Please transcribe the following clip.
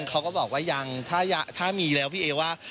เขาก็บอกว่ายังถ้ามีแล้วพี่เอว่า